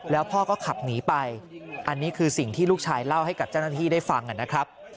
แล้วพ่อก็ขับหนีไปอันนี้คือสิ่งที่ลูกชายเล่าให้กับเจ้าหน้าที่ได้ฟังนะครับ